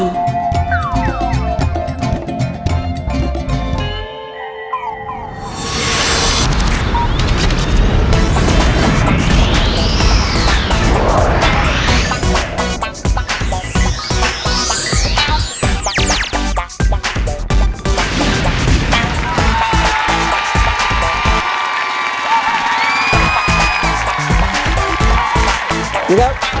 สวัสดีครับ